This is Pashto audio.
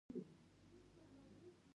په بدن کې شاوخوا شپږ سوه غدودي دي.